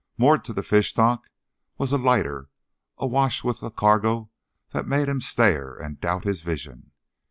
Moored to the fish dock was a lighter awash with a cargo that made him stare and doubt his vision.